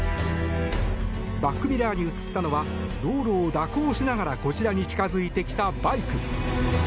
バックミラーに映ったのは道路を蛇行しながらこちらに近付いてきたバイク。